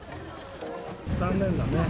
残念だね。